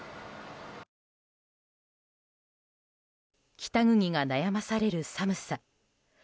北国が悩まされる寒さ。